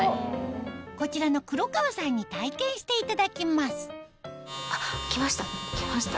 こちらの黒川さんに体験していただきますあっきましたきました。